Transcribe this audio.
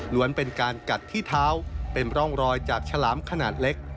เป็นการกัดที่เท้าเป็นร่องรอยจากฉลามขนาดเล็ก